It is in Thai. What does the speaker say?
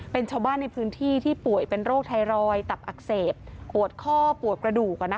เป็นชาวบ้านในพื้นที่ที่ป่วยเป็นโรคไทรอยด์ตับอักเสบปวดข้อปวดกระดูก